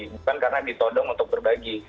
bukan karena ditodong untuk berbagi